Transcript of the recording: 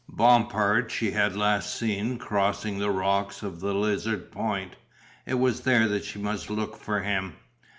Bompard she had last seen crossing the rocks of the Lizard point. It was there that she must look for him.